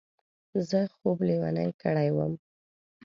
زه خوب لېونی کړی وم.